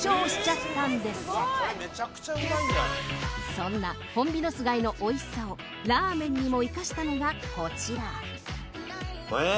そんなホンビノス貝のおいしさをラーメンにも生かしたのがこちらえ